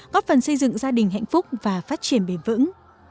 góp phần xây dựng gia đình hạnh phúc và phát triển bền vững